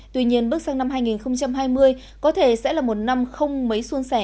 tuy nhiên bước sang năm hai nghìn hai mươi có thể sẽ là một năm không mấy xuân sẻ